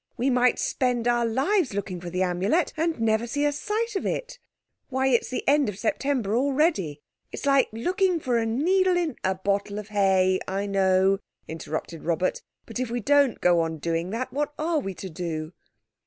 We might spend our lives looking for the Amulet and never see a sight of it. Why, it's the end of September already. It's like looking for a needle in—" "A bottle of hay—I know," interrupted Robert; "but if we don't go on doing that, what ARE we to do?"